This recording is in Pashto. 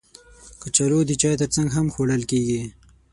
کچالو د چای ترڅنګ هم خوړل کېږي